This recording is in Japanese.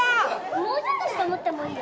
もうちょっと下持ってもいいよ。